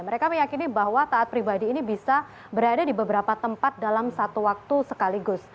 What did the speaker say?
mereka meyakini bahwa taat pribadi ini bisa berada di beberapa tempat dalam satu waktu sekaligus